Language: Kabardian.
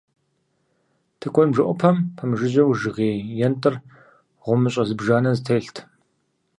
Тыкуэн бжэӀупэм пэмыжыжьэу жыгей ентӀыр гъумыщӀэ зыбжанэ зэтелът.